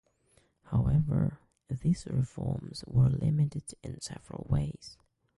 However, these reforms were limited in several ways.